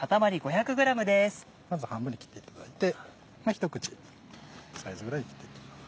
まず半分に切っていただいてひと口サイズぐらいに切っていきます。